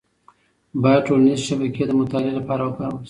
باید ټولنیز شبکې د مطالعې لپاره وکارول شي.